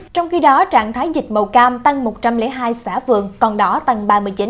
trong khi đó trạng thái dịch màu cam tăng một trăm linh hai xã phường còn đỏ tăng ba mươi chín